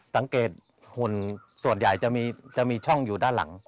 หุ่นส่วนใหญ่จะมีช่องอยู่ด้านหลัง